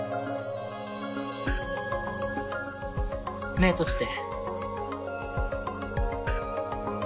目閉じて。